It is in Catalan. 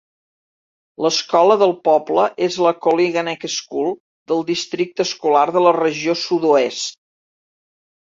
L'escola del poble és la Koliganek School del Districte Escolar de la Regió Sudoest.